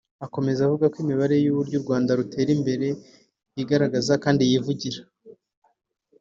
Akomeza avuga ko imibare y’uburyo u Rwanda rutera imbere yigaragaza kandi yivugira